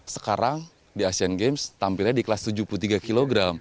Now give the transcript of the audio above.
sekarang di asian games tampilnya di kelas tujuh puluh tiga kg